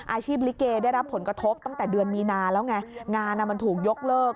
ลิเกได้รับผลกระทบตั้งแต่เดือนมีนาแล้วไงงานมันถูกยกเลิก